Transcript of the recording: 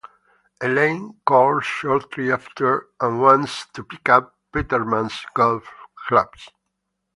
Elaine calls shortly after and wants to pick up Peterman's golf clubs.